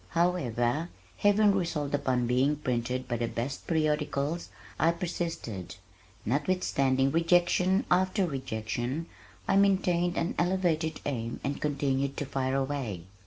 However, having resolved upon being printed by the best periodicals I persisted. Notwithstanding rejection after rejection I maintained an elevated aim and continued to fire away.